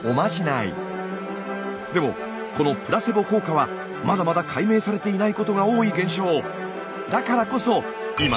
でもこのプラセボ効果はまだまだ解明されていないことが多い現象。